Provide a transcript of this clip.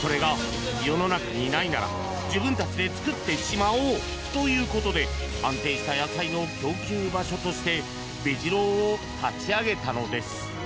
それが世の中にないなら自分たちで作ってしまおうということで安定した野菜の供給場所としてベジ郎を立ち上げたのです。